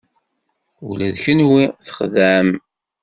Ula d kenwi txedɛem!